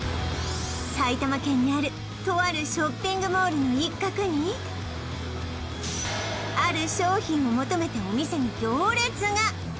埼玉県にあるとあるショッピングモールの一角にある商品を求めてお店に行列が！